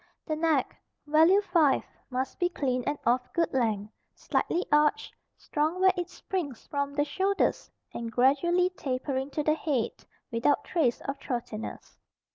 The neck (value 5) must be clean and of good length, slightly arched, strong where it springs from the shoulders and gradually tapering to the head, without trace of throatiness.